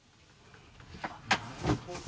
あなるほど。